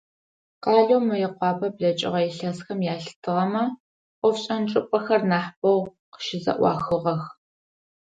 Къалэу Мыекъуапэ блэкӀыгъэ илъэсхэм ялъытыгъэмэ, ӀофшӀэн чӀыпӀэхэр нахьы бэу къыщызэӀуахыгъэх.